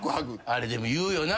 あれでも言うよな。